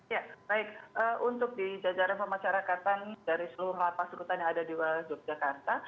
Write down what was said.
ya baik untuk di jajaran pemasyarakatan dari seluruh lapas rutan yang ada di wilayah yogyakarta